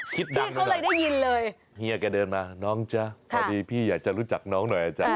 พี่เขาเลยได้ยินเลยเฮียแกเดินมาน้องจ๊ะพอดีพี่อยากจะรู้จักน้องหน่อยอาจารย์